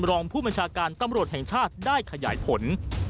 รองผู้บัญชาการตำรวจแห่งชาติได้ขยายผล